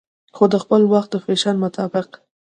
خو دخپل وخت د فېشن مطابق